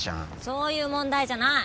そういう問題じゃない。